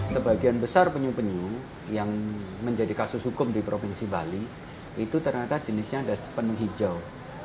sebagian besar penyu penyu yang menjadi kasus hukum di provinsi bali itu ternyata jenisnya ada penuh hijau